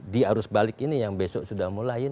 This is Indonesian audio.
di arus balik ini yang besok sudah mulai